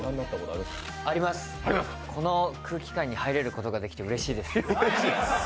あります、この空気感に入ることができてうれしいです。